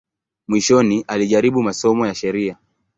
Mwishoni alijaribu masomo ya sheria.